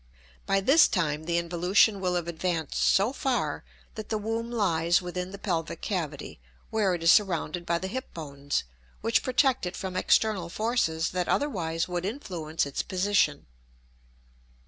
By this time the involution will have advanced so far that the womb lies within the pelvic cavity, where it is surrounded by the hip bones, which protect it from external forces that otherwise would influence its position.